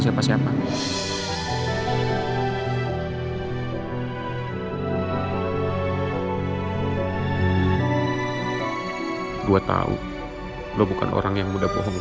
salam buat your mom